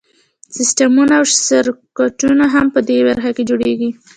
سیسټمونه او سرکټونه هم په دې برخه کې جوړیږي.